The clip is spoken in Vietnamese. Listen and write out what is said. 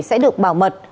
sẽ được bảo mật